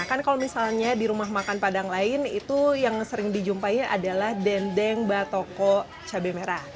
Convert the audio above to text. kan kalau misalnya di rumah makan padang lain itu yang sering dijumpai adalah dendeng batoko cabai merah